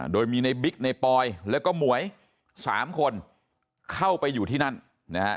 โดยมีในบิ๊กในปอยแล้วก็หมวยสามคนเข้าไปอยู่ที่นั่นนะฮะ